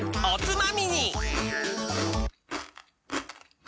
おつまみに！